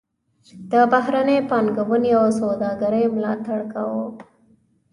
د بهرنۍ پانګونې او سوداګرۍ ملاتړ کاوه.